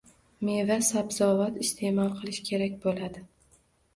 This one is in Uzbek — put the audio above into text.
Meva-sabzavot iste'mol qilish kerak bo'ladi.